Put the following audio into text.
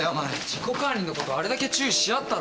自己管理のことあれだけ注意し合ったろ。